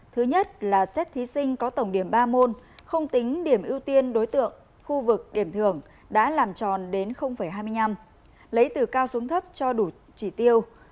thứ nhất là xét thí sinh có tổng điểm ba môn không tính điểm ưu tiên đối tượng khu vực điểm thường đã làm tròn đến hai mươi năm lấy từ cao xuống thấp cho đủ chỉ tiêu